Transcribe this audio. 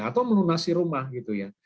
atau melunasi rumah gitu ya